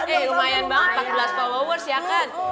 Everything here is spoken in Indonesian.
eh lumayan banget empat belas power worth ya kan